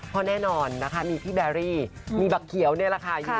เพราะแน่นอนนะคะมีพี่แบรี่มีบักเขียวนี่แหละค่ะอยู่